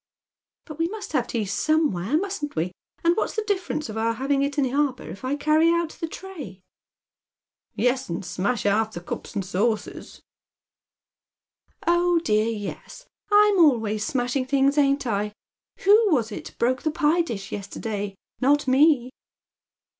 " But we must have tea somewhere, musn't we, stupid ? And what's the difference of our having it in the arbour if I carry o«t the tray ?"" Yes, and smash half the cups and saucers." A Dangerous TYtumph. \„S " Oh dear yes ; I'm always smashinsf things, aiu't I ? Who was it broke the pie dish yesterday ? Not me."